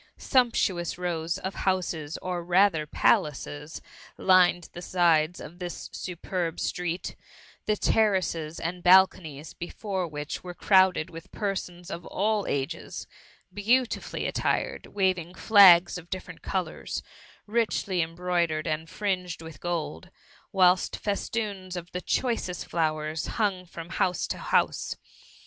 Sumptuous rows of houses, or rather palaces, lined the sides of this superb street; the ter races and balconies before which were crowd ed with persons of all ages, beautifully attired, waving flags of diflbrent colours, richly em broidered and fringed with gold, whilst fes toons of the choicest flowers hung from house to house.